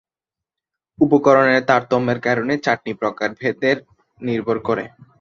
উপকরণের তারতম্যের কারণে চাটনি প্রকারভেদ নির্ভর করে।